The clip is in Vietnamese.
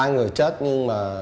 ba người chết nhưng mà